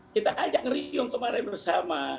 kita ajak riung kemarin bersama